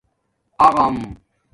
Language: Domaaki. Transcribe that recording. اغݳم